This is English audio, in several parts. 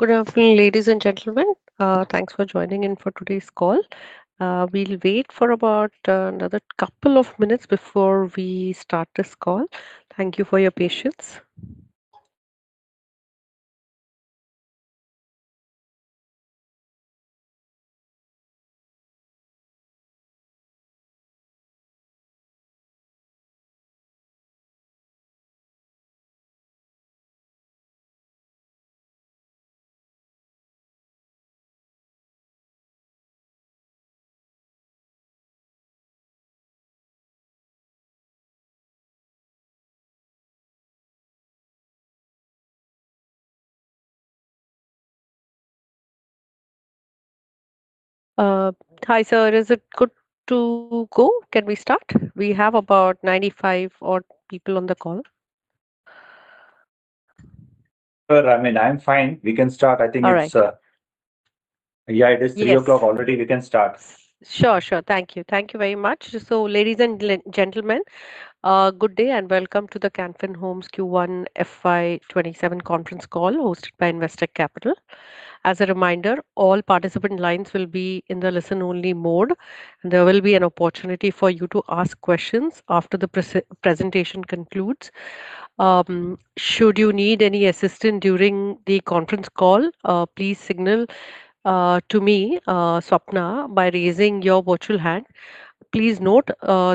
Good afternoon, ladies and gentlemen. Thanks for joining in for today's call. We'll wait for about another couple of minutes before we start this call. Thank you for your patience. Hi, sir. Is it good to go? Can we start? We have about 95-odd people on the call. Sure, I mean, I am fine. We can start. I think. All right. Yeah, it is 3:00 P.M. already. We can start. Sure. Thank you. Thank you very much. Ladies and gentlemen, good day and welcome to the Can Fin Homes Q1 FY 2027 conference call hosted by Investec Capital. As a reminder, all participant lines will be in the listen-only mode, and there will be an opportunity for you to ask questions after the presentation concludes. Should you need any assistance during the conference call, please signal to me, Swapna, by raising your virtual hand. Please note,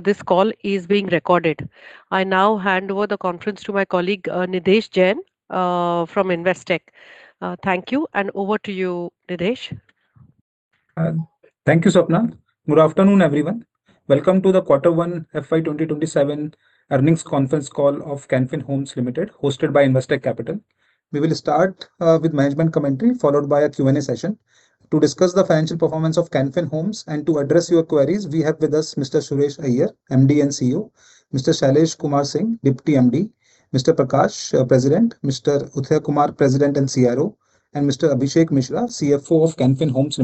this call is being recorded. I now hand over the conference to my colleague, Nidhesh Jain from Investec. Thank you, and over to you, Nidhesh. Thank you, Swapna. Good afternoon, everyone. Welcome to the quarter one FY 2027 earnings conference call of Can Fin Homes, hosted by Investec Capital. We will start with management commentary followed by a Q&A session. To discuss the financial performance of Can Fin Homes and to address your queries, we have with us Mr. Suresh Iyer, MD and CEO; Mr. Shailesh Kumar Singh, Deputy MD; Mr. Prakash Shanbhogue, President; Mr. Uday Kumar, President and CRO; and Mr. Abhishek Mishra, CFO of Can Fin Homes.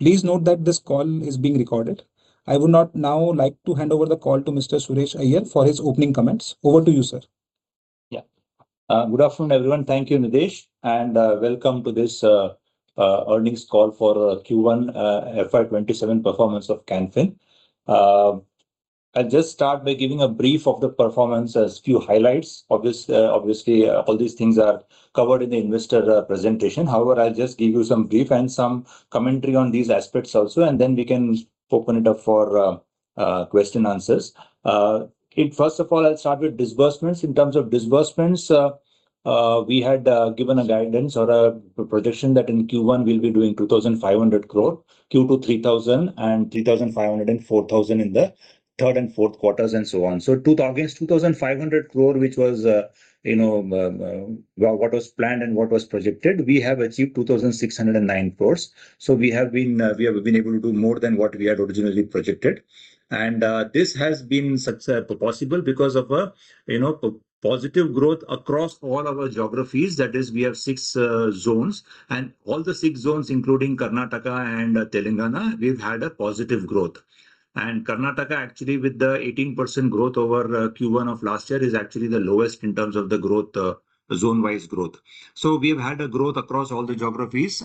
Please note that this call is being recorded. I would not now like to hand over the call to Mr. Suresh Iyer for his opening comments. Over to you, sir. Yeah. Good afternoon, everyone. Thank you, Nidhesh, and welcome to this earnings call for Q1 FY 2027 performance of Can Fin. I'll just start by giving a brief of the performance as few highlights. Obviously, all these things are covered in the investor presentation. However, I'll just give you some brief and some commentary on these aspects also, then we can open it up for question and answers. First of all, I'll start with disbursements. In terms of disbursements, we had given a guidance or a projection that in Q1 we'll be doing 2,500 crores, Q2 3,000, and 3,500 and 4,000 in the third and fourth quarters and so on. Against 2,500 crores, which was what was planned and what was projected, we have achieved 2,609 crores. We have been able to do more than what we had originally projected. This has been possible because of positive growth across all our geographies. That is, we have six zones, all the six zones, including Karnataka and Telangana, we've had a positive growth. Karnataka actually with the 18% growth over Q1 of last year is actually the lowest in terms of the zone-wise growth. We've had a growth across all the geographies.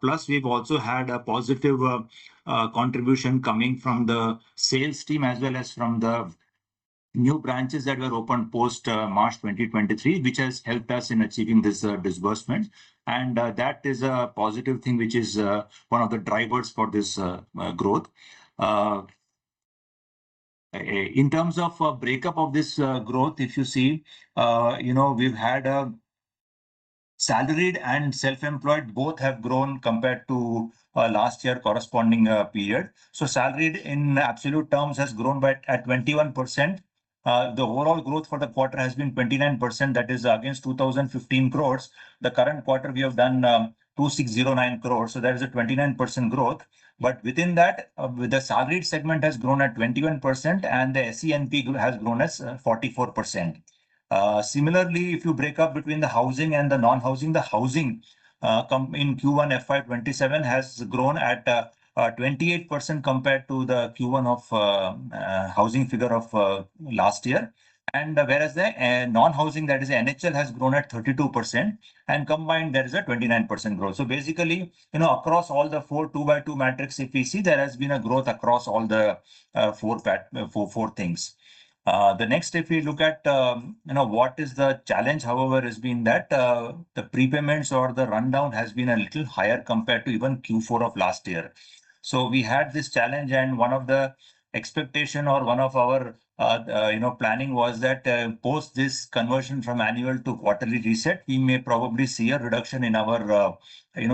Plus we've also had a positive contribution coming from the sales team as well as from the new branches that were opened post-March 2023, which has helped us in achieving this disbursement. That is a positive thing, which is one of the drivers for this growth. In terms of breakup of this growth, if you see, we've had salaried and self-employed both have grown compared to last year corresponding period. Salaried in absolute terms has grown by at 21%. The overall growth for the quarter has been 29%, that is against 2,015 crores. The current quarter we have done 2,609 crores, that is a 29% growth. Within that, the salaried segment has grown at 21% and the S&P has grown at 44%. Similarly, if you break up between the housing and the non-housing. The housing in Q1 FY 2027 has grown at 28% compared to the Q1 of housing figure of last year. Whereas the non-housing, that is NHL, has grown at 32%, and combined there is a 29% growth. Basically, across all the four 2x2 matrix, if we see, there has been a growth across all the four things. The next, if we look at what is the challenge, however, has been that the prepayments or the rundown has been a little higher compared to even Q4 of last year. We had this challenge and one of the expectation or one of our planning was that post this conversion from annual to quarterly reset, we may probably see a reduction in our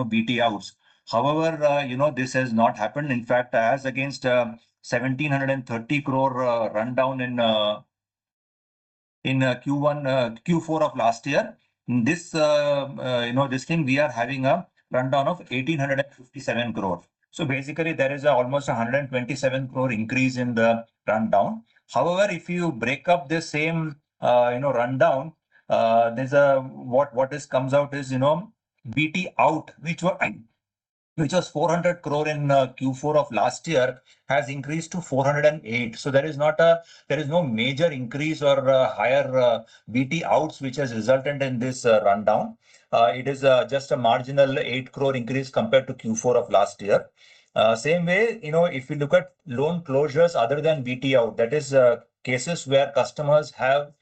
BT Outs. However, this has not happened. In fact, as against 1,730 crores rundown in Q4 of last year, this thing we are having a rundown of 1,857 crores. Basically there is almost 127 crores increase in the rundown. If you break up the same rundown, what comes out is BT Outs, which was 400 crores in Q4 of last year, has increased to 408. There is no major increase or higher BT Outs, which has resulted in this rundown. It is just a marginal 8 crores increase compared to Q4 of last year. Same way, if you look at loan closures other than BT Outs, that is cases where customers have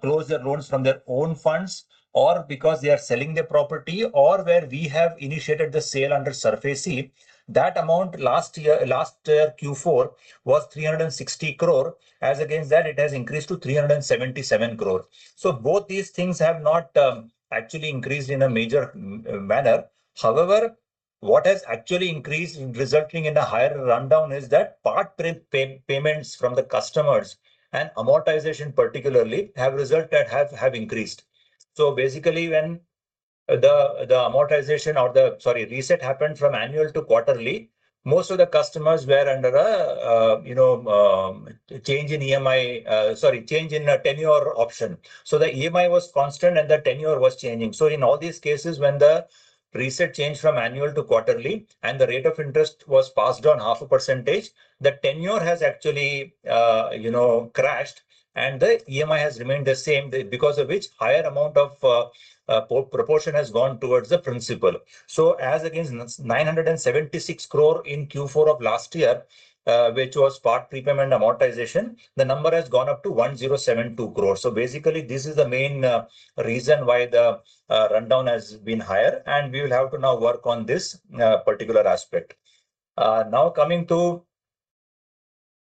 closed their loans from their own funds or because they are selling their property or where we have initiated the sale under SARFAESI. That amount last year, Q4, was 360 crores. As against that, it has increased to 377 crores. Both these things have not actually increased in a major manner. What has actually increased, resulting in a higher rundown, is that part prepayments from the customers and amortization particularly have increased. Basically, when the amortization or the reset happened from annual to quarterly, most of the customers were under a change in tenure option. The EMI was constant and the tenure was changing. In all these cases, when the reset changed from annual to quarterly, and the rate of interest was passed on half a percentage, the tenure has actually crashed, and the EMI has remained the same, because of which higher amount of proportion has gone towards the principal. As against 976 crores in Q4 of last year, which was part prepayment amortization, the number has gone up to 1,072 crores. Basically, this is the main reason why the rundown has been higher, and we will have to now work on this particular aspect. Coming to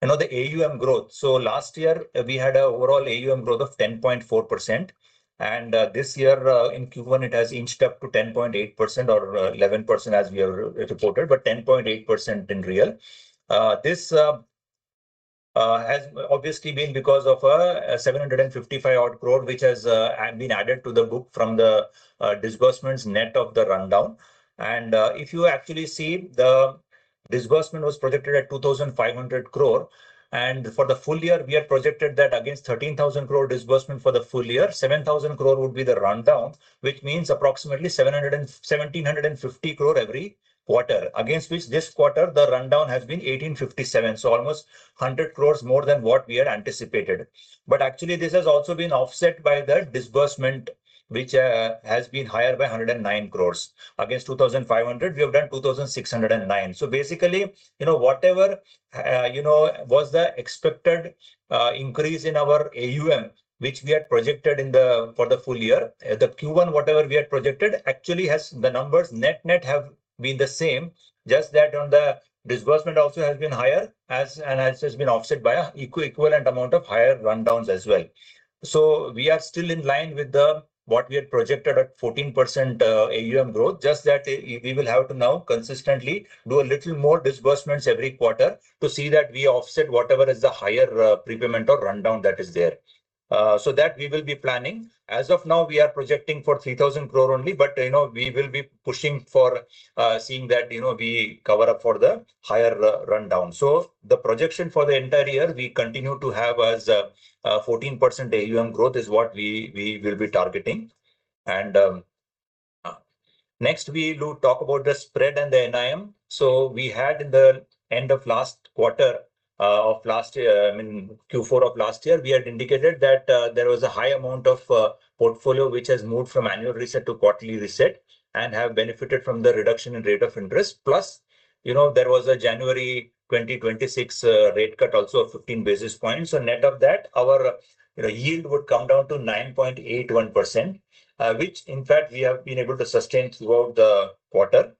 the AUM growth. Last year, we had a overall AUM growth of 10.4%, and this year, in Q1, it has inched up to 10.8% or 11% as we have reported, but 10.8% in real. This has obviously been because of 755-odd crores, which has been added to the book from the disbursements net of the rundown. If you actually see, the disbursement was projected at 2,500 crores, and for the full year, we had projected that against 13,000 crores disbursement for the full year, 7,000 crores would be the rundown, which means approximately 1,750 crores every quarter. Against which this quarter, the rundown has been 1,857 crores, so almost 100 crores more than what we had anticipated. Actually, this has also been offset by the disbursement, which has been higher by 109 crores. Against 2,500 crores, we have done 2,609 crores. Basically, whatever was the expected increase in our AUM, which we had projected for the full year, the Q1, whatever we had projected, actually the numbers net-net have been the same, just that on the disbursement also has been higher and has been offset by an equivalent amount of higher rundowns as well. We are still in line with what we had projected at 14% AUM growth, just that we will have to now consistently do a little more disbursements every quarter to see that we offset whatever is the higher prepayment or rundown that is there. That we will be planning. As of now, we are projecting for 3,000 crores only, but we will be pushing for seeing that we cover up for the higher rundown. The projection for the entire year, we continue to have as a 14% AUM growth is what we will be targeting. Next, we talk about the spread and the NIM. We had in the end of Q4 of last year, we had indicated that there was a high amount of portfolio which has moved from annual reset to quarterly reset and have benefited from the reduction in rate of interest. Plus, there was a January 2026 rate cut also of 15 basis points. Net of that, our yield would come down to 9.81%, which in fact, we have been able to sustain throughout the quarter.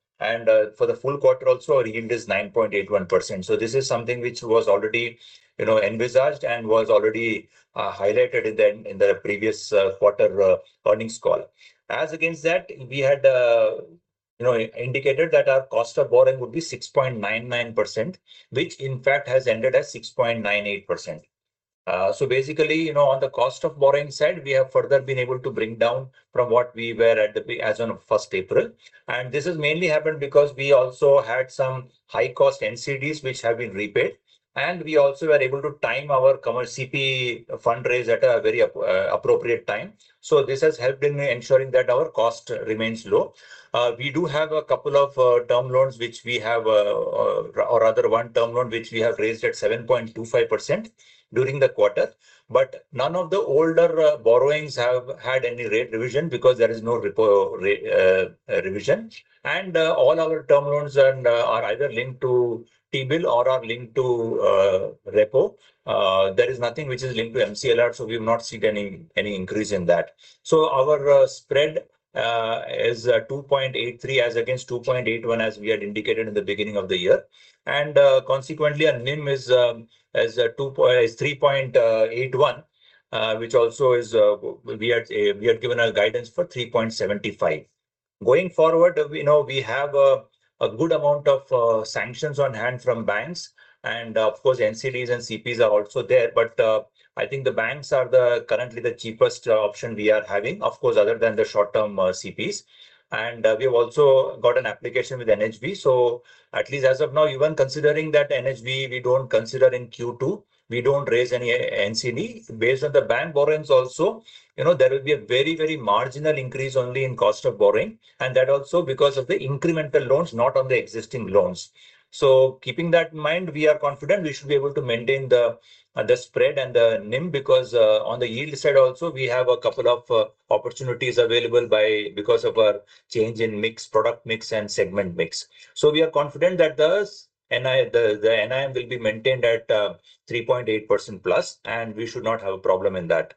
For the full quarter also, our yield is 9.81%. This is something which was already envisaged and was already highlighted in the previous quarter earnings call. Against that, we had indicated that our cost of borrowing would be 6.99%, which in fact has ended at 6.98%. Basically, on the cost of borrowing side, we have further been able to bring down from what we were as on 1st April. This has mainly happened because we also had some high cost NCDs which have been repaid, and we also were able to time our commercial CP fundraise at a very appropriate time. This has helped in ensuring that our cost remains low. We do have a couple of term loans, or rather one term loan which we have raised at 7.25% during the quarter. None of the older borrowings have had any rate revision because there is no repo revision. All our term loans are either linked to T-bill or are linked to repo. There is nothing which is linked to MCLR, we have not seen any increase in that. Our spread is 2.83% as against 2.81%, as we had indicated in the beginning of the year. Consequently, our NIM is 3.81%, which also we had given a guidance for 3.75%. Going forward, we have a good amount of sanctions on hand from banks, and of course, NCDs and CPs are also there. I think the banks are currently the cheapest option we are having, of course, other than the short-term CPs. We have also got an application with NHB. At least as of now, even considering that NHB, we don't consider in Q2, we don't raise any NCD. Based on the bank borrowings also, there will be a very marginal increase only in cost of borrowing, and that also because of the incremental loans, not on the existing loans. Keeping that in mind, we are confident we should be able to maintain the spread and the NIM, because on the yield side also, we have a couple of opportunities available because of our change in product mix and segment mix. We are confident that the NIM will be maintained at +3.8%, and we should not have a problem in that.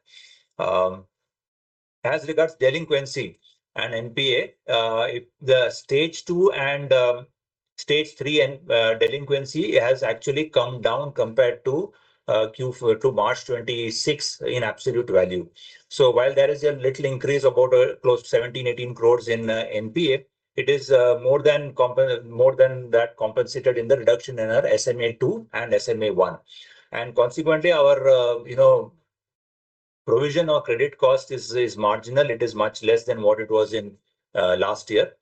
Regards delinquency and NPA, the Stage 2 and Stage 3 delinquency has actually come down compared to March 2026, in absolute value. While there is a little increase of about close to 17 crores-18 crores in NPA, it is more than that compensated in the reduction in our SMA-2 and SMA-1. Consequently, our provision or credit cost is marginal. It is much less than what it was in last year.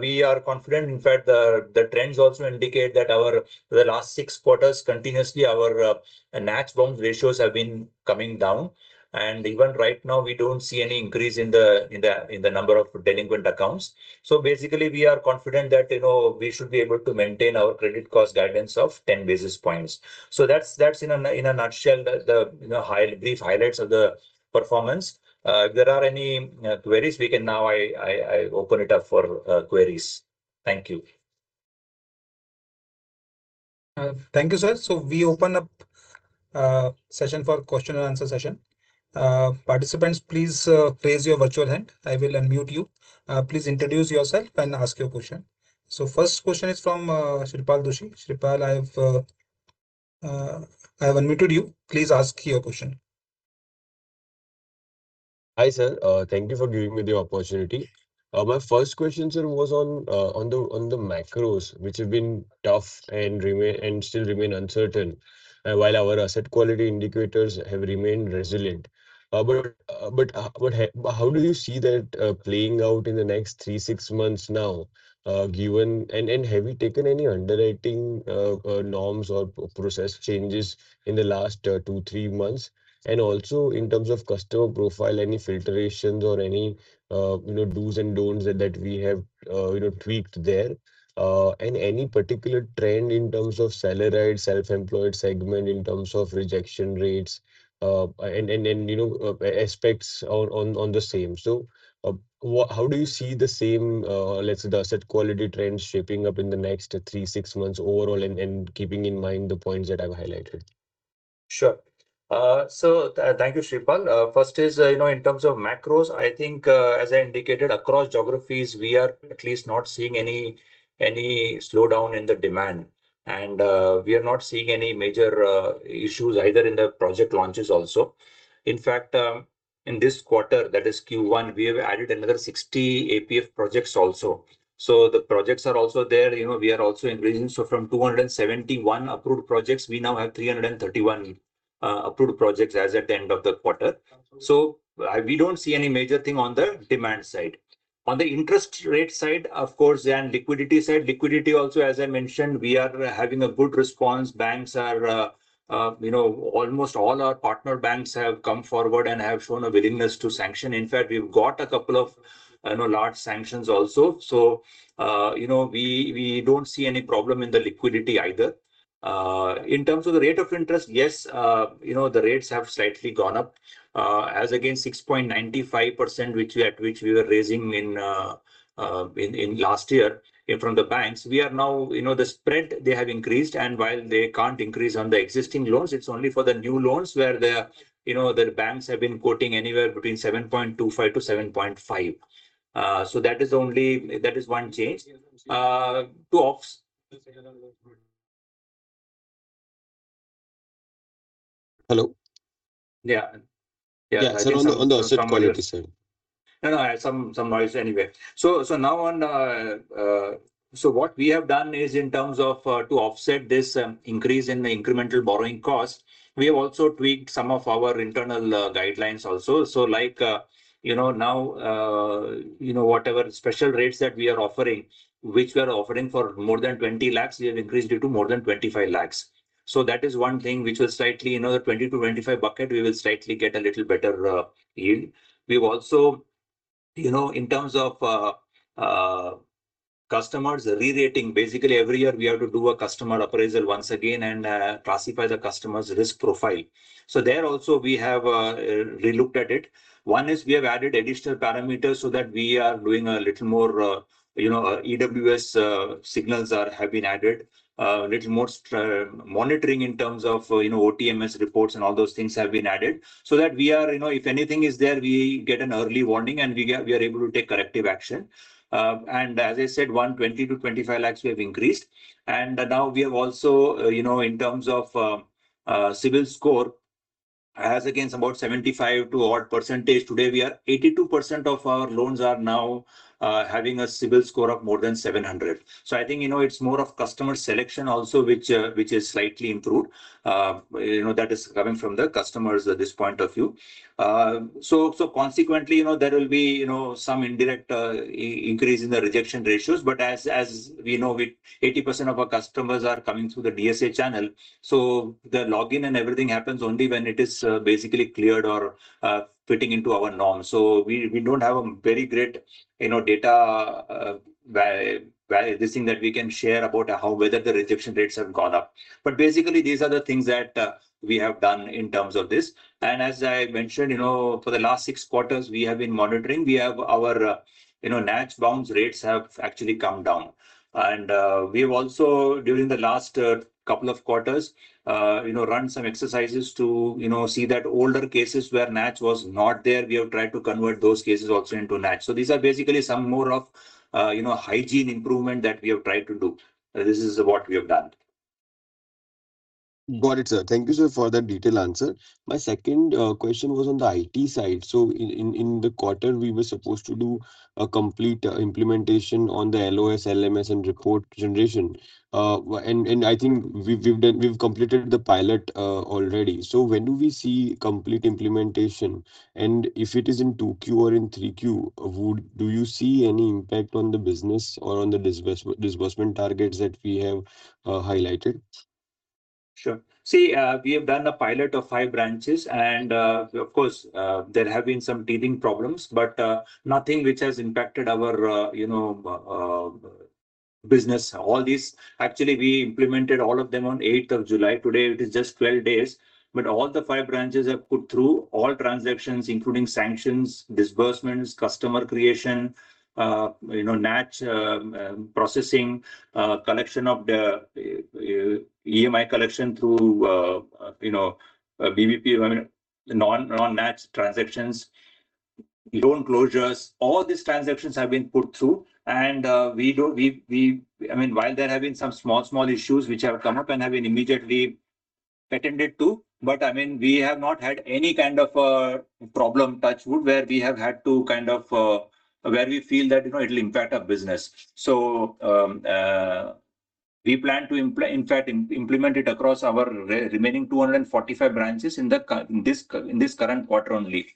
We are confident, in fact, the trends also indicate that the last six quarters continuously, our NACH bounce ratios have been coming down. Even right now, we don't see any increase in the number of delinquent accounts. Basically, we are confident that we should be able to maintain our credit cost guidance of 10 basis points. That's in a nutshell the brief highlights of the performance. There are any queries, we can now open it up for queries. Thank you. Thank you, sir. We open up session for question and answer session. Participants, please raise your virtual hand. I will unmute you. Please introduce yourself and ask your question. First question is from [Shreepal Doshi]. Shreepal, I have unmuted you. Please ask your question. Hi, sir. Thank you for giving me the opportunity. My first question, sir, was on the macros, which have been tough and still remain uncertain, while our asset quality indicators have remained resilient. How do you see that playing out in the next three, six months now? Have you taken any underwriting norms or process changes in the last two, three months? In terms of customer profile, any filtrations or any do's and don'ts that we have tweaked there? Any particular trend in terms of salaried, self-employed segment in terms of rejection rates, and aspects on the same. How do you see the same, let's say, the asset quality trend shaping up in the next three, six months overall, and keeping in mind the points that I've highlighted? Sure. Thank you, Shreepal. First is, in terms of macros, I think, as I indicated, across geographies, we are at least not seeing any slowdown in the demand. We are not seeing any major issues either in the project launches also. In fact, in this quarter, that is Q1, we have added another 60 APF projects also. The projects are also there. We are also increasing. From 271 approved projects, we now have 331 approved projects as at the end of the quarter. We don't see any major thing on the demand side. On the interest rate side, of course, and liquidity side, liquidity also, as I mentioned, we are having a good response. Almost all our partner banks have come forward and have shown a willingness to sanction. In fact, we've got a couple of large sanctions also. We don't see any problem in the liquidity either. In terms of the rate of interest, yes, the rates have slightly gone up. As against 6.95%, at which we were raising in last year from the banks, the spread, they have increased, and while they can't increase on the existing loans, it's only for the new loans where the banks have been quoting anywhere between 7.25%-7.5%. That is one change. Hello? Yeah. Yeah. On the asset quality side. No, some noise anyway. What we have done is in terms of to offset this increase in the incremental borrowing cost, we have also tweaked some of our internal guidelines also. Now, whatever special rates that we are offering, which we are offering for more than 20 lakhs, we have increased it to more than 25 lakhs. That is one thing which will slightly, in the 20-25 bucket, we will slightly get a little better yield. We've also, in terms of customers re-rating, basically every year, we have to do a customer appraisal once again and classify the customer's risk profile. There also, we have relooked at it. One is we have added additional parameters that we are doing a little more EWS signals have been added, a little more monitoring in terms of OTM reports and all those things have been added. That if anything is there, we get an early warning and we are able to take corrective action. As I said, one, 20 lakhs-25 lakhs we have increased. Now we have also, in terms of CIBIL score. As against about 75% to odd percentage, today 82% of our loans are now having a CIBIL score of more than 700. I think, it's more of customer selection also, which has slightly improved. That is coming from the customers at this point of view. Consequently, there will be some indirect increase in the rejection ratios, but as we know, 80% of our customers are coming through the DSA channel, their login and everything happens only when it is basically cleared or fitting into our norm. We don't have a very great data, this thing that we can share about how whether the rejection rates have gone up. Basically, these are the things that we have done in terms of this. As I mentioned, for the last six quarters, we have been monitoring, we have our NACH bounce rates have actually come down. We have also, during the last couple of quarters, run some exercises to see that older cases where NACH was not there, we have tried to convert those cases also into NACH. These are basically some more of hygiene improvement that we have tried to do. This is what we have done. Got it, sir. Thank you, sir, for that detailed answer. My second question was on the IT side. In the quarter, we were supposed to do a complete implementation on the LOS, LMS, and report generation. I think we have completed the pilot already. When do we see complete implementation? If it is in 2Q or in 3Q, do you see any impact on the business or on the disbursement targets that we have highlighted? Sure. See, we have done a pilot of five branches and, of course, there have been some teething problems, but nothing which has impacted our business. All these, actually, we implemented all of them on 8th of July. Today it is just 12 days, but all the five branches have put through all transactions including sanctions, disbursements, customer creation, NACH processing, EMI collection through BBPS, non-NACH transactions, loan closures, all these transactions have been put through. While there have been some small issues which have come up and have been immediately attended to, but we have not had any kind of a problem, touch wood, where we feel that it will impact our business. We plan to, in fact, implement it across our remaining 245 branches in this current quarter only.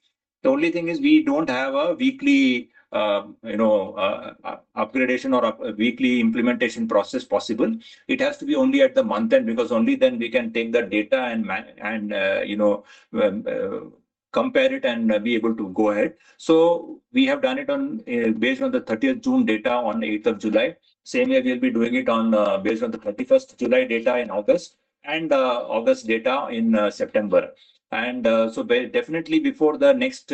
The only thing is we do not have a weekly upgradation or a weekly implementation process possible. It has to be only at the month end because only then we can take the data and compare it and be able to go ahead. We have done it based on the 30th June data on 8th of July. Same way, we will be doing it based on the 31st July data in August, and the August data in September. Definitely before the next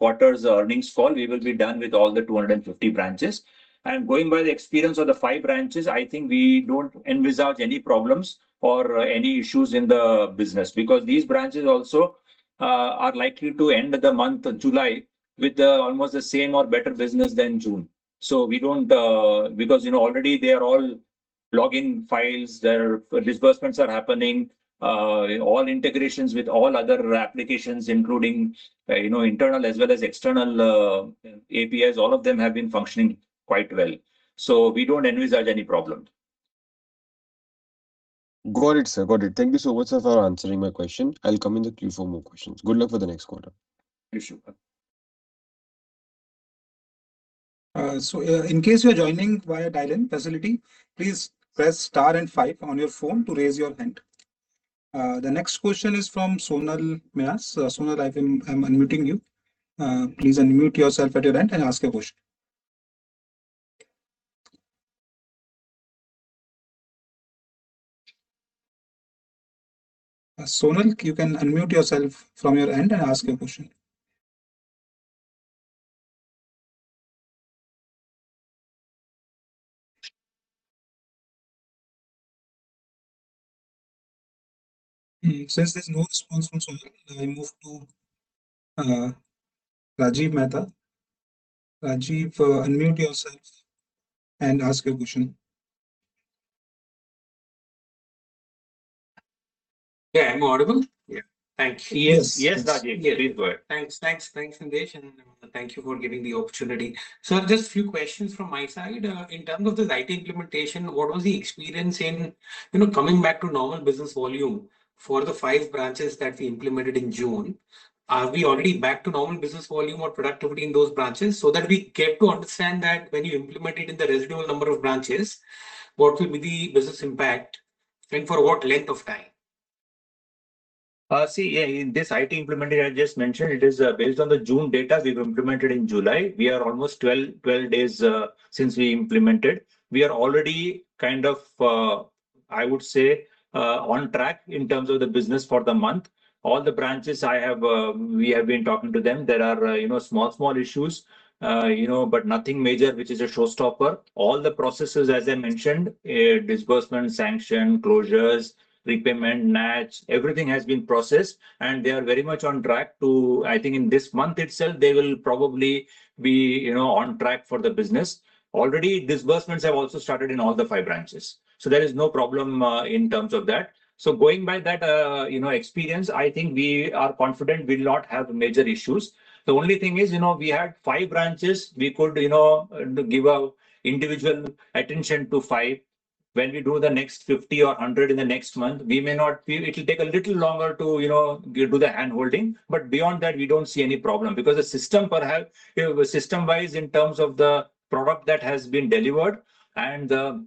quarter's earnings call, we will be done with all the 250 branches. Going by the experience of the five branches, I think we do not envisage any problems or any issues in the business. Because these branches also are likely to end the month of July with almost the same or better business than June. Because already they are all logging files, their disbursements are happening, all integrations with all other applications including internal as well as external APIs, all of them have been functioning quite well. We do not envisage any problem. Got it, sir. Got it. Thank you so much, sir, for answering my question. I'll come in the queue for more questions. Good luck for the next quarter. Sure. In case you are joining via dial-in facility, please press star and five on your phone to raise your hand. The next question is from [Sonal Mehas]. Sonal, I'm unmuting you. Please unmute yourself at your end and ask your question. Sonal, you can unmute yourself from your end and ask your question. Since there's no response from Sonal, I move to [Rajiv Mehta]. Rajiv, unmute yourself and ask your question. Yeah, I'm audible? Yeah. Thank you. Yes, Rajeev. Please go ahead. Thanks, Nidhesh, and thank you for giving the opportunity. Just few questions from my side. In terms of this IT implementation, what was the experience in coming back to normal business volume for the five branches that we implemented in June? Are we already back to normal business volume or productivity in those branches? That we get to understand that when you implement it in the residual number of branches, what will be the business impact and for what length of time? This IT implementation I just mentioned, it is based on the June data we've implemented in July. We are almost 12 days since we implemented. We are already kind of, I would say, on track in terms of the business for the month. All the branches we have been talking to them. There are small issues, but nothing major which is a showstopper. All the processes as I mentioned, disbursement, sanction, closures, repayment, NACH, everything has been processed. They are very much on track to, I think in this month itself, they will probably be on track for the business. Already, disbursements have also started in all the five branches. There is no problem in terms of that. Going by that experience, I think we are confident we'll not have major issues. The only thing is, we had five branches. We could give our individual attention to five. When we do the next 50 or 100 in the next month, it'll take a little longer to do the hand-holding. Beyond that, we don't see any problem. System-wise, in terms of the product that has been delivered and the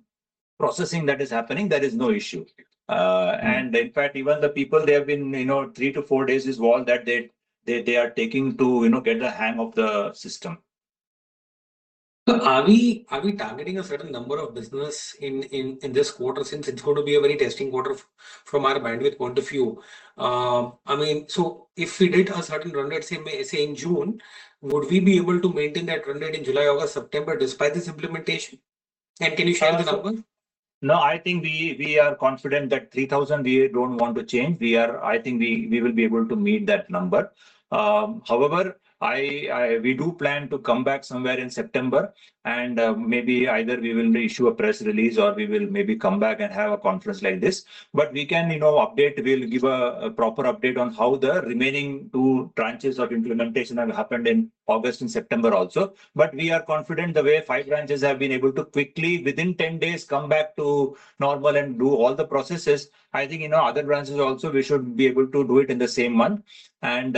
processing that is happening, there is no issue. In fact, even the people, they have been three to four days is all that they are taking to get the hang of the system. Sir, are we targeting a certain number of business in this quarter since it's going to be a very testing quarter from our bandwidth point of view? If we did a certain run rate, say, in June, would we be able to maintain that run rate in July, August, September, despite this implementation? Can you share the numbers? No, I think we are confident that 3,000 crores we don't want to change. I think we will be able to meet that number. However, we do plan to come back somewhere in September and maybe either we will reissue a press release or we will maybe come back and have a conference like this. We can update, we'll give a proper update on how the remaining two tranches of implementation have happened in August and September also. We are confident the way five branches have been able to quickly, within 10 days, come back to normal and do all the processes. I think, other branches also, we should be able to do it in the same month. 3,000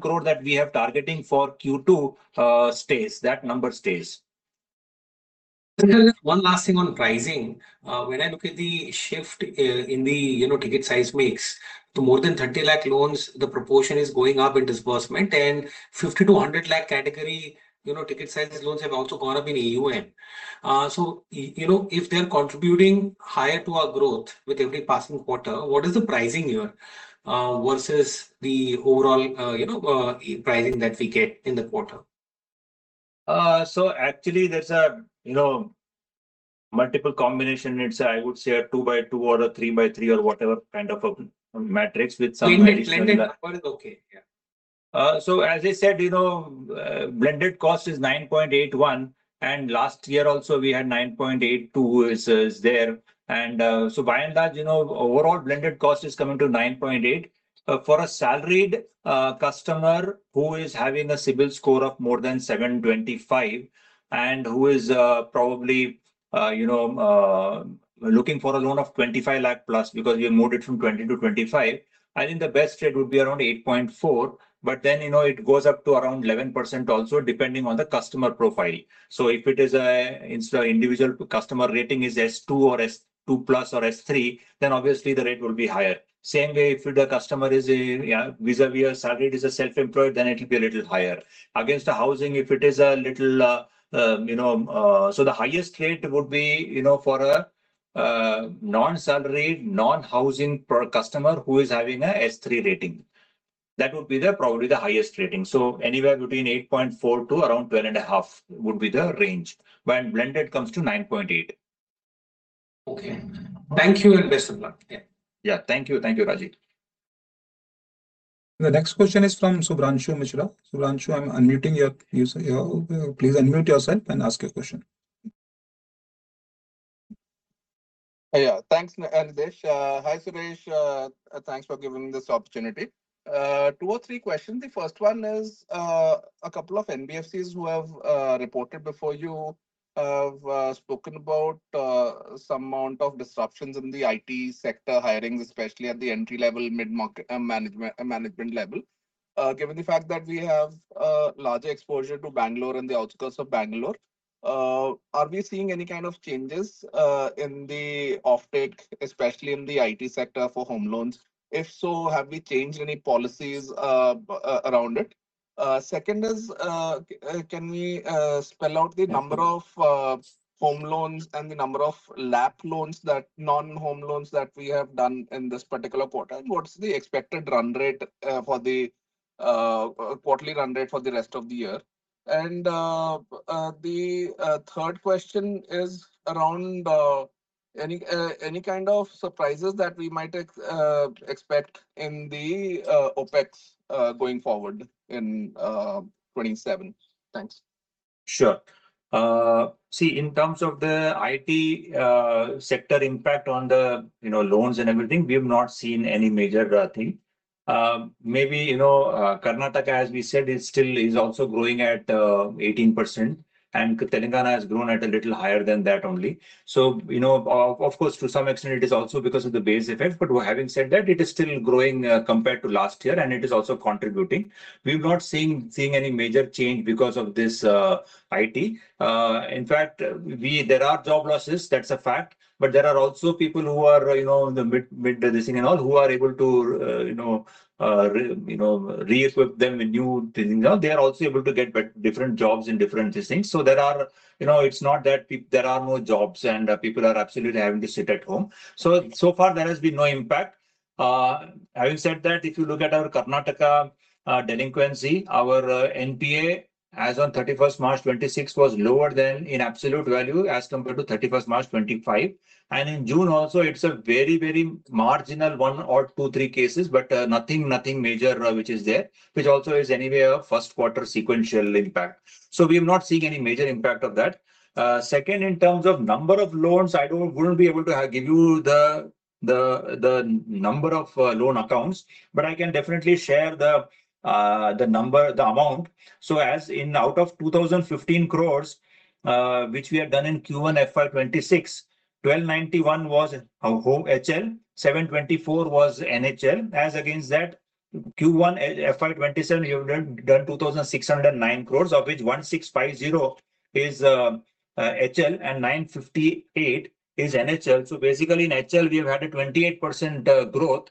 crores that we are targeting for Q2, stays. That number stays. One last thing on pricing. When I look at the shift in the ticket size mix to more than 30 lakh loans, the proportion is going up in disbursement and 50 lakh-100 lakh category, ticket size loans have also gone up in AUM. If they're contributing higher to our growth with every passing quarter, what is the pricing here, versus the overall pricing that we get in the quarter? Actually, there's multiple combination. It's, I would say, a 2x2 or a 3x3 or whatever kind of a matrix with some additional Blended number is okay, yeah. As I said, blended cost is 9.81%, last year also we had 9.82% is there. By and large, overall blended cost is coming to 9.48%. For a salaried customer who is having a CIBIL score of more than 725 and who is probably looking for a loan of +25 lakh, because we moved it from 20-25, I think the best rate would be around 8.4%. It goes up to around 11% also, depending on the customer profile. If it is an individual customer rating is S2 or S2+ or S3, obviously the rate will be higher. Same way if the customer is vis-a-vis a salaried is a self-employed, it'll be a little higher. Against the housing, the highest rate would be for a non-salaried, non-housing customer who is having a S3 rating. That would be probably the highest rating. Anywhere between 8.4% to around 12.5% would be the range. Blended comes to 9.8%. Okay. Thank you. Best of luck. Yeah. Yeah. Thank you, Rajiv. The next question is from [Shubhranshu Mishra]. Shubhranshu, I'm unmuting you. Please unmute yourself and ask your question. Yeah. Thanks, Nidhesh. Hi, Suresh. Thanks for giving me this opportunity. Two or three questions. The first one is, a couple of NBFCs who have reported before you have spoken about some amount of disruptions in the IT sector hirings, especially at the entry level, mid management level. Given the fact that we have larger exposure to Bangalore and the outskirts of Bangalore. Are we seeing any kind of changes in the offtake, especially in the IT sector, for home loans? If so, have we changed any policies around it? Second is, can we spell out the number of home loans and the number of LAP loans, non-home loans that we have done in this particular quarter, and what is the expected quarterly run rate for the rest of the year? The third question is around any kind of surprises that we might expect in the OpEx, going forward in 2027? Thanks. Sure. See, in terms of the IT sector impact on the loans and everything, we have not seen any major thing. Maybe, Karnataka, as we said, is also growing at 18%, and Telangana has grown at a little higher than that only. Of course, to some extent it is also because of the base effect, but having said that, it is still growing compared to last year, and it is also contributing. We've not seeing any major change because of this IT. In fact, there are job losses, that's a fact, but there are also people who are in the mid this thing and all, who are able to re-equip them in new things. They are also able to get different jobs in different these things. It's not that there are no jobs and people are absolutely having to sit at home. So far there has been no impact. Having said that, if you look at our Karnataka delinquency, our NPA as on 31st March 2026 was lower than in absolute value as compared to 31st March 2025. In June also, it's a very marginal one or two, three cases, but nothing major which is there. Which also is anyway a first quarter sequential impact. We have not seen any major impact of that. Second, in terms of number of loans, I wouldn't be able to give you the number of loan accounts, but I can definitely share the amount. As in out of 2,015 crores, which we have done in Q1 FY 2026, 1,291 was a whole HL, 724 was NHL. As against that Q1 FY 2027, you've done 2,609 crores, of which 1,650 crores is HL and 958 crores is NHL. Basically, in HL we have had a 28% growth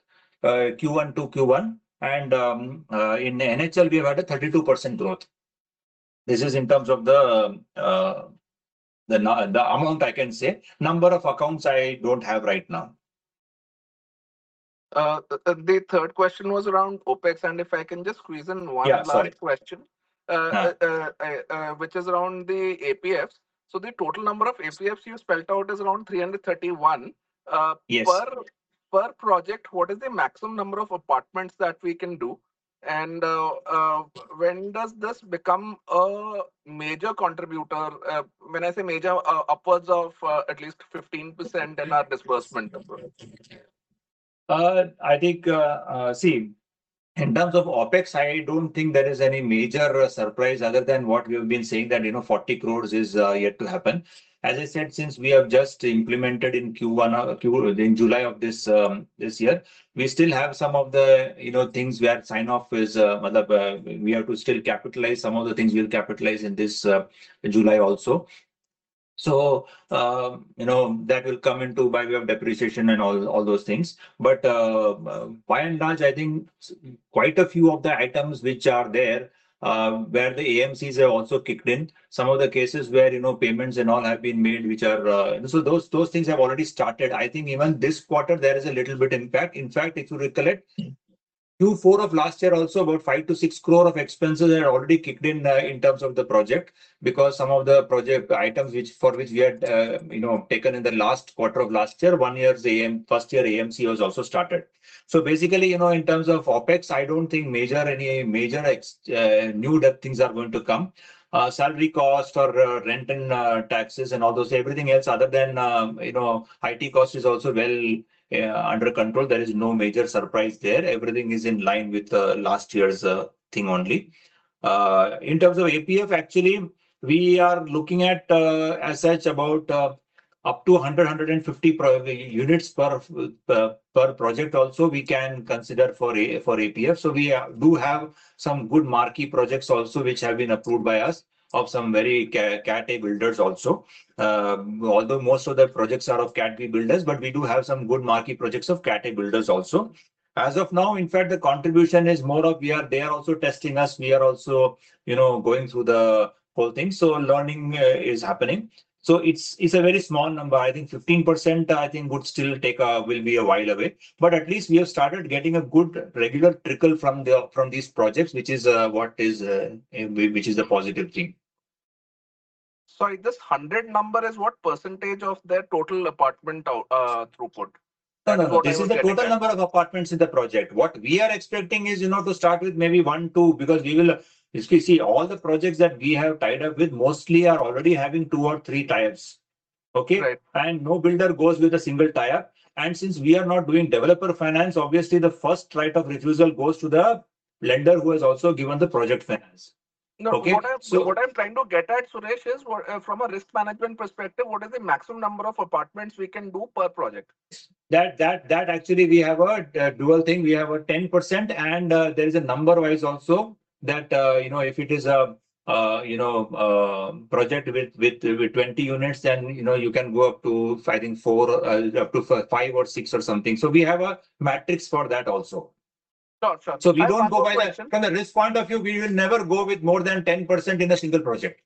Q1-to-Q1, in NHL we have had a 32% growth. This is in terms of the amount I can say. Number of accounts I don't have right now. The third question was around OpEx, and if I can just squeeze in one last question. Yeah, sorry. Which is around the APFs. The total number of APFs you spelt out is around 331? Yes. Per project, what is the maximum number of apartments that we can do? When does this become a major contributor? When I say major, upwards of at least 15% in our disbursement number? I think, see, in terms of OpEx, I don't think there is any major surprise other than what we have been saying, that 40 crores is yet to happen. As I said, since we have just implemented in July of this year, we still have some of the things we had signed off with Madhav. We have to still capitalize some of the things we'll capitalize in this July also. That will come into by way of depreciation and all those things. By and large, I think quite a few of the items which are there, where the AMCs have also kicked in. Some of the cases where payments and all have been made. Those things have already started. I think even this quarter, there is a little bit impact. In fact, if you recollect Q4 of last year also, about 5-6 crores of expenses had already kicked in terms of the project, because some of the project items for which we had taken in the last quarter of last year, first year AMC was also started. Basically, in terms of OpEx, I don't think any major new things are going to come. Salary cost for rent and taxes and all those, everything else other than IT cost is also well under control. There is no major surprise there. Everything is in line with last year's thing only. In terms of APF, actually, we are looking at as such about up to 100-150 units per project also we can consider for APF. We do have some good marquee projects also which have been approved by us of some very Category A builders also. Although most of their projects are of Category B builders, we do have some good marquee projects of Category A builders also. As of now, in fact, the contribution is more of they are also testing us. We are also going through the whole thing. Learning is happening. It's a very small number. I think 15% I think will be a while away. At least we have started getting a good regular trickle from these projects, which is a positive thing. Sorry, this 100 number is what percentage of their total apartment throughput? No, no. This is the total number of apartments in the project. What we are expecting is to start with maybe one, two, because we will basically see all the projects that we have tied up with mostly are already having two or three tie-ups. Okay? Right. No builder goes with a single tie-up. Since we are not doing developer finance, obviously the first right of refusal goes to the lender who has also given the project finance. Okay? What I'm trying to get at, Suresh, is from a risk management perspective, what is the maximum number of apartments we can do per project? We have a dual thing. We have a 10%, and there is a number-wise also that, if it is a project with 20 units, then you can go up to, I think five or six or something. We have a matrix for that also. Sure. We don't go by that. From the risk point of view, we will never go with more than 10% in a single project.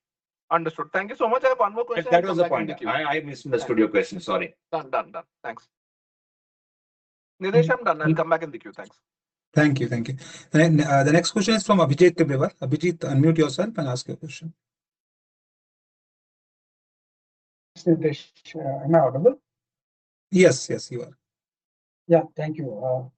Understood. Thank you so much. I have one more question. That was the point. I misunderstood your question, sorry. Done. Thanks. Nidhesh, I'm done. I'll come back in the queue. Thanks. Thank you. The next question is from [Abhijit Tibrewal]. Abhijit, unmute yourself and ask your question. Nidhesh, am I audible? Yes, you are. Yeah. Thank you.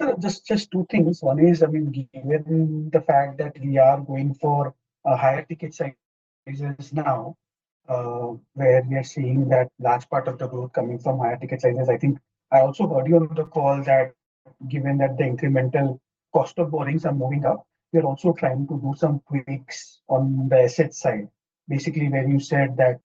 Sir, just two things. One is, given the fact that we are going for higher ticket sizes now, where we are seeing that large part of the book coming from higher ticket sizes, I think I also got you on the call that given that the incremental cost of borrowings are moving up, we are also trying to do some tweaks on the asset side. Basically, where you said that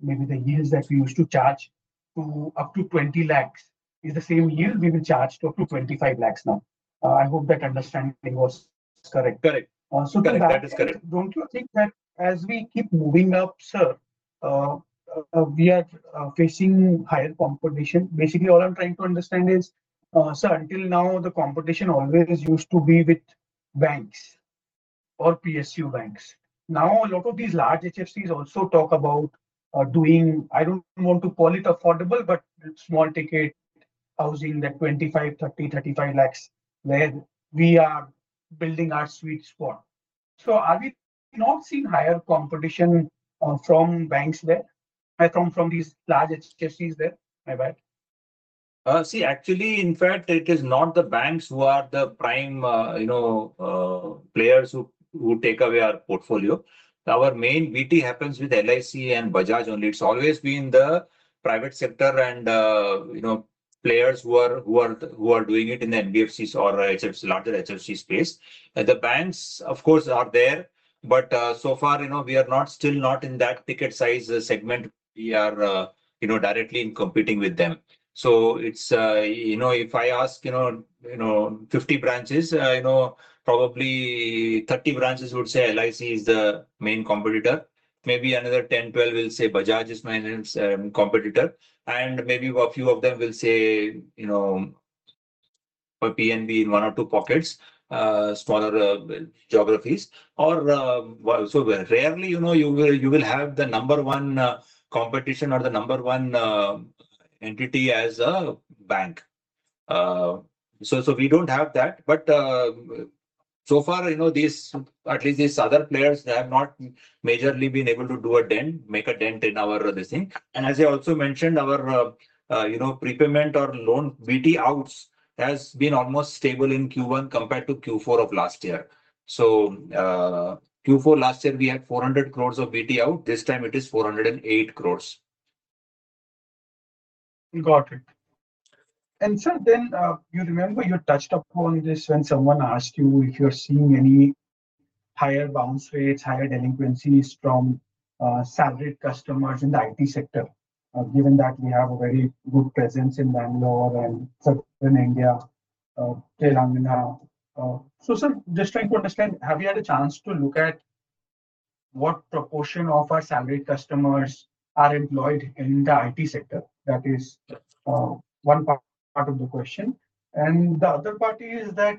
maybe the yields that we used to charge to up to 20 lakh is the same yield we will charge to up to 25 lakh now. I hope that understanding was correct. Correct. That is correct. Don't you think that as we keep moving up, sir, we are facing higher competition? Basically, all I'm trying to understand is, sir, until now, the competition always used to be with banks or PSU banks. A lot of these large HFCs also talk about doing, I don't want to call it affordable, but small ticket housing, that 25 lakhs, 30 lakhs, 35 lakhs, where we are building our sweet spot. Are we not seeing higher competition from banks there? From these large HFCs there? See, actually, in fact, it is not the banks who are the prime players who take away our portfolio. Our main BT happens with LIC and Bajaj only. It's always been the private sector and players who are doing it in the NBFCs or larger HFC space. The banks, of course, are there, but so far, we are still not in that ticket size segment. We are directly competing with them. If I ask 50 branches, probably 30 branches would say LIC is the main competitor. Maybe another 10, 12 will say Bajaj is my main competitor, and maybe a few of them will say PNB in one or two pockets, smaller geographies. Rarely, you will have the number one competition or the number one entity as a bank. We don't have that. So far, at least these other players, they have not majorly been able to make a dent in our thing. As I also mentioned, our prepayment or loan BT Outs has been almost stable in Q1 compared to Q4 of last year. Q4 last year, we had 400 crores of BT Outs. This time it is 408 crores. Got it. Sir, then you remember you touched upon this when someone asked you if you're seeing any higher bounce rates, higher delinquencies from salaried customers in the IT sector, given that we have a very good presence in Bangalore and southern India, Telangana. Sir, just trying to understand, have you had a chance to look at what proportion of our salaried customers are employed in the IT sector? That is one part of the question. The other part is that,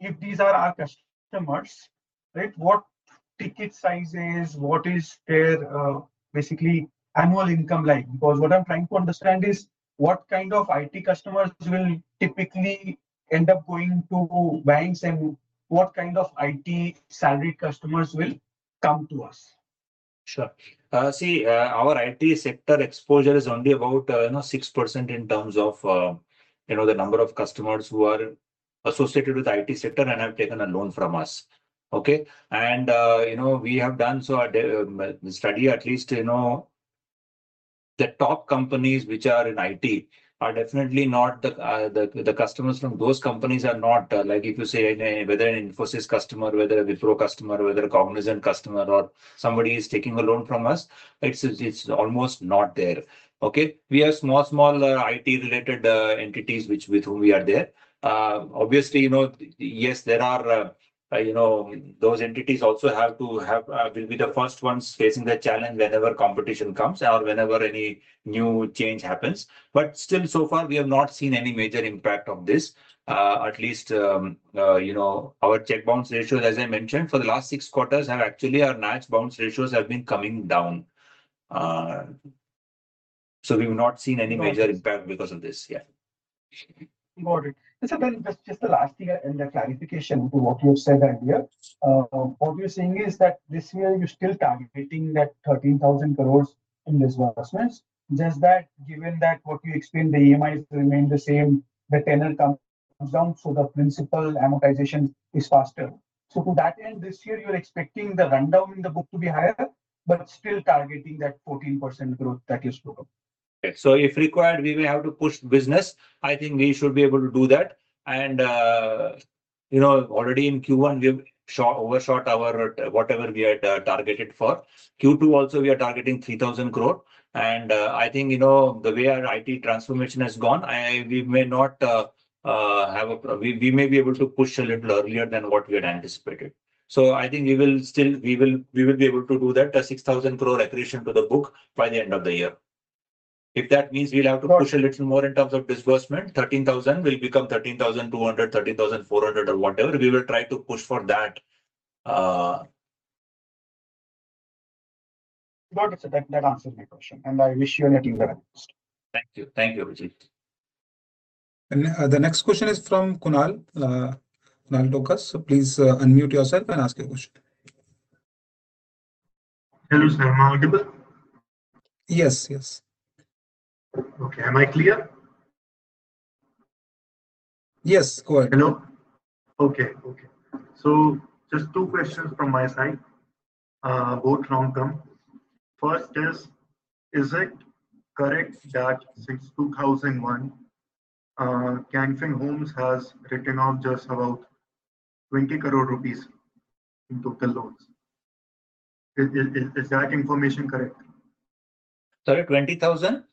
if these are our customers, what ticket sizes, what is their annual income like? Because what I'm trying to understand is what kind of IT customers will typically end up going to banks, and what kind of IT salaried customers will come to us. Sure. See, our IT sector exposure is only about 6% in terms of the number of customers who are associated with the IT sector and have taken a loan from us. Okay. We have done so a study, at least the top companies which are in IT, the customers from those companies are not, like if you say, whether an Infosys customer, whether a Wipro customer, whether a Cognizant customer or somebody is taking a loan from us, it's almost not there. Okay. We have small IT-related entities with whom we are there. Obviously, yes, those entities will be the first ones facing the challenge whenever competition comes or whenever any new change happens. Still, so far, we have not seen any major impact of this. At least, our check bounce ratios, as I mentioned, for the last six quarters, actually, our bounce ratios have been coming down. We've not seen any major impact because of this yet. Got it. Sir, just the last thing and the clarification to what you have said and here. What you're saying is that this year you're still targeting that 13,000 crores in disbursements. Just that, given that what you explained, the EMIs remain the same, the tenure comes down, so the principal amortization is faster. To that end, this year, you're expecting the rundown in the book to be higher, but still targeting that 14% growth that you spoke of. If required, we may have to push the business. I think we should be able to do that. Already in Q1, we have overshot whatever we had targeted for. Q2 also, we are targeting 3,000 crores. I think, the way our IT transformation has gone, we may be able to push a little earlier than what we had anticipated. I think we will be able to do that, 6,000 crores accretion to the book by the end of the year. If that means we'll have to push a little more in terms of disbursement, 13,000 crores will become 13,200 crores, 13,400 crores, or whatever, we will try to push for that. Got it, sir. That answers my question. I wish you and your team all the very best.. Thank you, Abhijit. The next question is from Kunal. [Kunal Dhokas], please unmute yourself and ask your question. Hello, sir, am I audible? Yes. Okay. Am I clear? Yes, go ahead. Hello. Okay. Just two questions from my side, both long-term. First is it correct that since 2001, Can Fin Homes has written off just about 20 crores rupees in total loans? Is that information correct? Sorry, 20,000? 20 crores.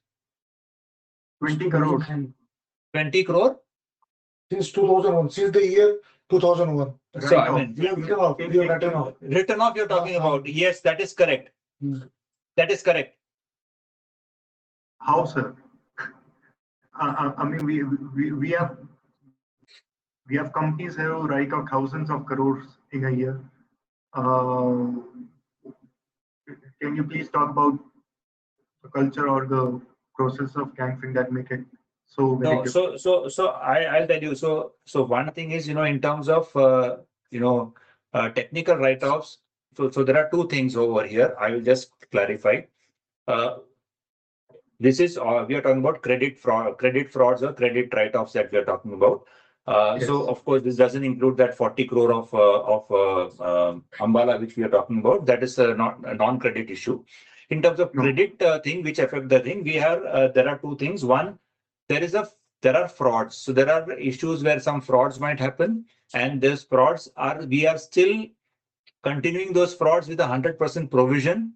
20 crores? Since 2001. Since the year 2001. Sorry, I mean. Written off. Written off, you are talking about. Yes, that is correct. That is correct. How, sir? We have companies who write off thousands of crores in a year. Can you please talk about the culture or the process of Can Fin that make it so very different? No. I'll tell you. One thing is, in terms of technical write-offs, there are two things over here. I will just clarify. We are talking about credit frauds or credit write-offs that we are talking about. Yes. Of course, this doesn't include that 40 crores of Ambala, which we are talking about. That is a non-credit issue. In terms of credit thing, which affect the thing, there are two things. One. There are frauds. There are issues where some frauds might happen, and we are still continuing those frauds with 100% provision,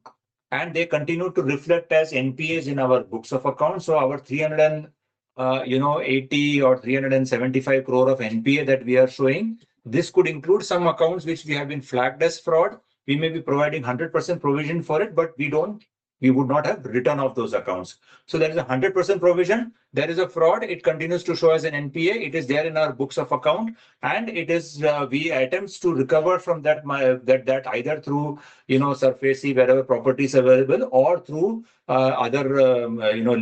and they continue to reflect as NPAs in our books of accounts. Our 380 or 375 crores of NPA that we are showing, this could include some accounts which we have been flagged as fraud. We may be providing 100% provision for it, but we would not have written off those accounts. There is 100% provision, there is a fraud, it continues to show as an NPA, it is there in our books of account, and we attempt to recover from that, either through SARFAESI, wherever property is available, or through other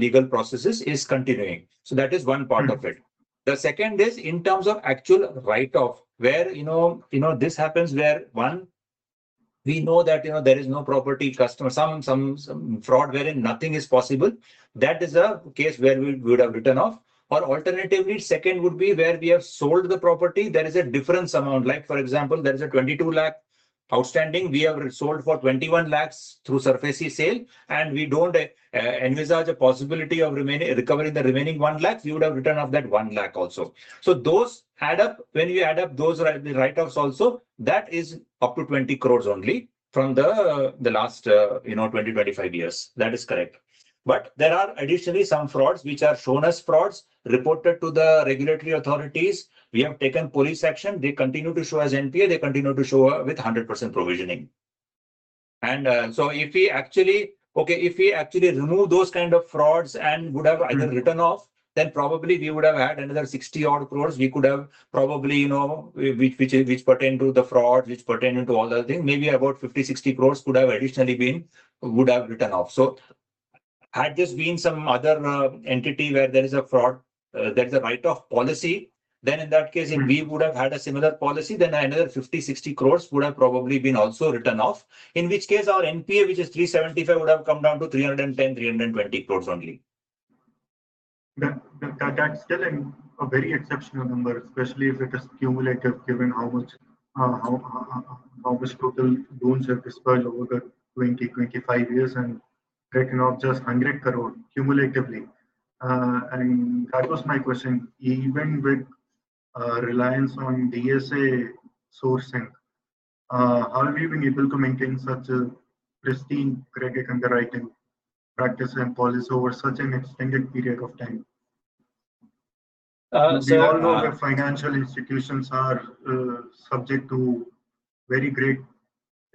legal processes, is continuing. That is one part of it. The second is in terms of actual write-off. This happens where, one, we know that there is no property, some fraud wherein nothing is possible. That is a case where we would have written off. Or alternatively, second would be where we have sold the property, there is a difference amount. For example, there is an 22 lakh outstanding, we have sold for 21 lakhs through SARFAESI e-sale, and we don't envisage a possibility of recovering the remaining one lakh, we would have written off that 1 lakh also. When we add up those write-offs also, that is up to 20 crores only from the last 20-25 years. That is correct. There are additionally some frauds which are shown as frauds, reported to the regulatory authorities. We have taken police action. They continue to show as NPA. They continue to show with 100% provisioning. If we actually remove those kind of frauds and would have either written off, then probably we would have had another 60-odd crores which pertain to the fraud, which pertain into all the other things. Maybe about 50-60 crores could have additionally been written off. Had this been some other entity where there is a write-off policy, then in that case, if we would have had a similar policy, then another 50-60 crores would have probably been also written off. In which case our NPA, which is 375 crores, would have come down to 310 crores-320 crores only. That's still a very exceptional number, especially if it is cumulative, given how much total loans have dispersed over the 20, 25 years and written off just 100 crores cumulatively. That was my question. Even with reliance on DSA sourcing, how have you been able to maintain such a pristine credit underwriting practice and policy over such an extended period of time We all know that financial institutions are subject to very great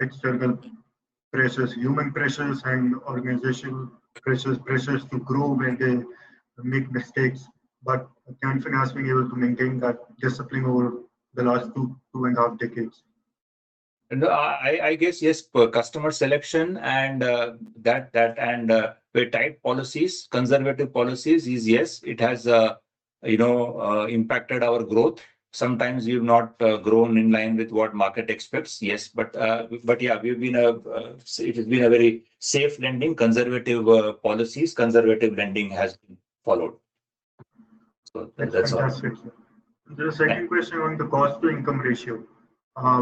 external pressures, human pressures, and organizational pressures to grow when they make mistakes. Can Fin has been able to maintain that discipline over the last 2.5 decades? No, I guess, yes. Per customer selection and per tight policies, conservative policies is yes. It has impacted our growth. Sometimes we've not grown in line with what market expects, yes. Yeah, it has been a very safe lending, conservative policies, conservative lending has been followed. That's all. That's fantastic. The second question on the cost-to-income ratio.